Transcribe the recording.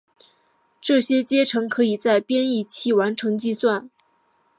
这些阶乘可以在编译期完成计算。